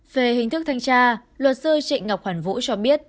về hình thức thanh tra luật sư trịnh ngọc hoàn vũ cho biết